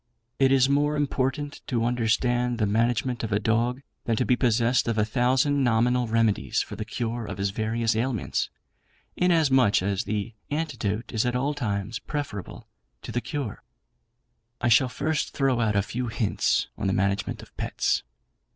"It is more important to understand the management of a dog, than to be possessed of a thousand nominal remedies for the cure of his various ailments; inasmuch as the antidote is at all times preferable to the cure. "I shall first throw out a few hints on the Management of Pets.